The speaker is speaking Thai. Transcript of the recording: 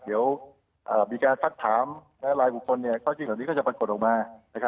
เดี๋ยวมีการสัดถามในรายบุคคลค่อยจริงแบบนี้ก็จะปรากฏออกมา